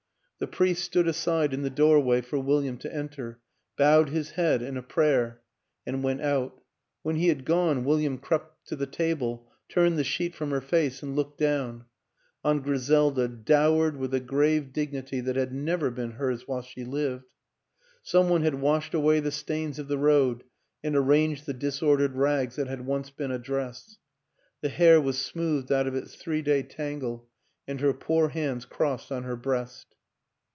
The priest stood aside in the doorway for William to enter, bowed his head in a prayer and went out; when he had gone William crept to the table, turned the sheet from her face and looked down on Griselda dowered with a grave dignity that had never been hers while she lived. ... Some one had washed away the stains of the road and ar ranged the disordered rags that had once been a dress; the hair was smoothed out of its three day tangle and her poor hands crossed on her breast.